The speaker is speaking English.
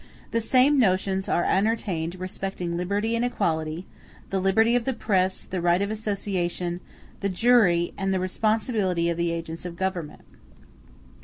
The same notions are entertained respecting liberty and equality, the liberty of the press, the right of association, the jury, and the responsibility of the agents of Government.